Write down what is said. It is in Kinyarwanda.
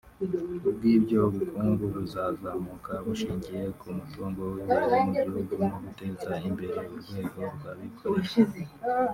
Ku bw’ibyo ubukungu buzazamuka bushingiye ku mutungo w’imbere mu gihugu no guteza imbere urwego rw’abikorera